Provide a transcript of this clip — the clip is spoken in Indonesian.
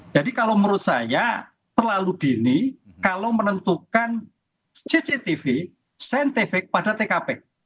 jadi kalau menurut saya terlalu dini kalau menentukan cctv pada tkp